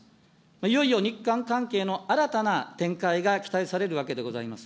いよいよ日韓関係の新たな展開が期待されるわけでございます。